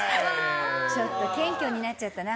ちょっと謙虚になっちゃったな。